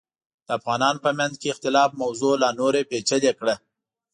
د افغانانو په منځ کې اختلاف موضوع لا نوره پیچلې کړه.